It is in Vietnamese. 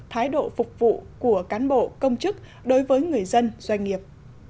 thái độ phục vụ của cán bộ công chức đối với người dân doanh nghiệp